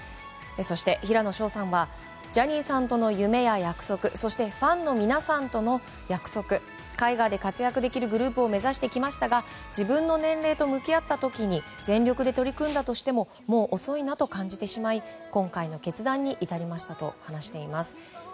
そして、平野紫耀さんはジャニーさんとの夢や約束そして、ファンの皆さんとの約束海外で活躍できるグループを目指してきましたが自分の年齢と向き合った時に全力で取り組んだとしてももう遅いなと感じてしまい今回の決断に至りましたと話しています。